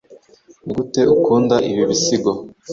Nigute ukunda ibi bisigo?